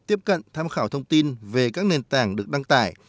tiếp cận tham khảo thông tin về các nền tảng được đăng tải